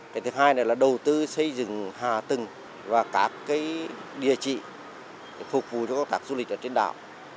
cái thứ hai này là đầu tư xây dựng hà từng và các cái địa trị phục vụ cho các tạc du lịch ở trên đảo